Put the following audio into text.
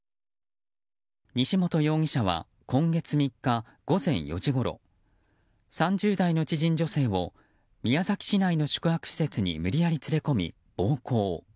西本容疑者は今月３日午前４時ごろ３０代の知人女性を宮崎市内の宿泊施設に無理やり連れ込み、暴行。